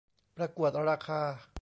ประกวดราคา